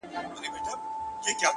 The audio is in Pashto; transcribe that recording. o يو نه دی چي و تاته په سرو سترگو ژاړي؛